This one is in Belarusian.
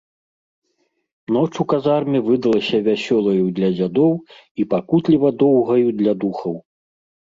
Ноч у казарме выдалася вясёлаю для дзядоў і пакутліва доўгаю для духаў.